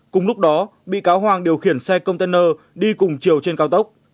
cùng lúc đó bị cáo hoàng điều khiển xe container đi cùng chiều trên cao tốc